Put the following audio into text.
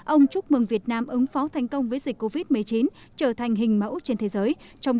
ông chúc mừng việt nam ứng phó thành công với dịch covid một mươi chín trở thành hình mẫu trên thế giới